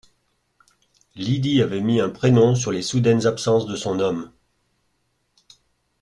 Lydie avait mis un prénom sur les soudaines absences de son homme.